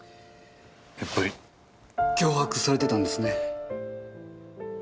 やっぱり脅迫されてたんですね。